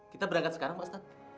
kita berangkat sekarang ustadz